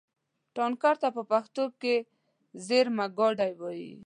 ټانکر ته په پښتو کې زېرمهګاډی وایي.